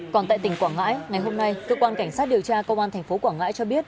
còn tại tỉnh quảng ngãi ngày hôm nay cơ quan cảnh sát điều tra công an thành phố quảng ngãi cho biết